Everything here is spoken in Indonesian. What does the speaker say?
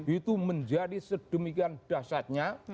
itu menjadi sedemikian dasarnya